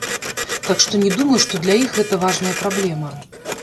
Так што не думаю, што для іх гэта важная праблема.